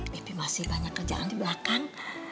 pp masih banyak kerjaan di belakang